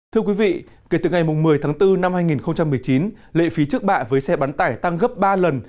thưa quý vị kể từ ngày một mươi tháng bốn năm hai nghìn một mươi chín lệ phí trước bạ với xe bán tải tăng gấp ba lần